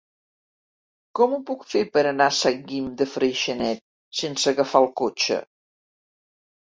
Com ho puc fer per anar a Sant Guim de Freixenet sense agafar el cotxe?